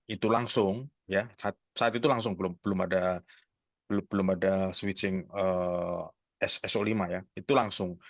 itu langsung ya saat itu langsung belum ada switching so lima ya itu langsung